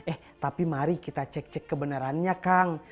eh tapi mari kita cek cek kebenarannya kang